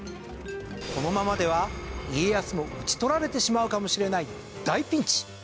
このままでは家康も討ち取られてしまうかもしれない大ピンチ。